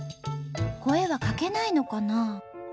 声はかけないのかな？